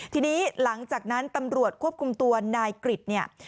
ทีนี้หลังจากนั้นตำรวจควบคุมตัวนายกริจเนี่ย